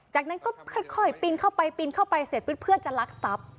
จากนั้นก็ค่อยปีนเข้าไปเสร็จเพื่อนจะลักศัพท์